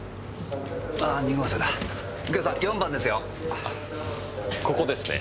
あっここですね。